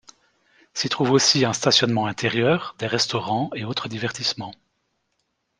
S’y trouvent aussi un stationnement intérieur, des restaurants et autres divertissements.